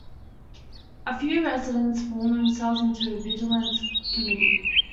A few residents formed themselves into a vigilance committee.